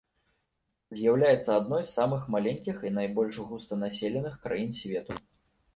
З'яўляецца адной з самых маленькіх і найбольш густанаселеных краін свету.